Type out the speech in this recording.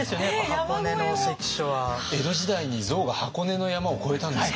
江戸時代に象が箱根の山を越えたんですか。